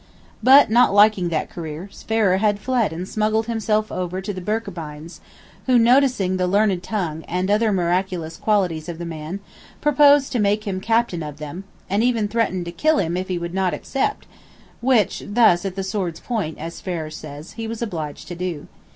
But, not liking that career, Sverrir had fled and smuggled himself over to the Birkebeins; who, noticing the learned tongue, and other miraculous qualities of the man, proposed to make him Captain of them; and even threatened to kill him if he would not accept, which thus at the sword's point, as Sverrir says, he was obliged to do.